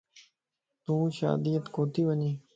تون شاديت ڪوتي وڃين؟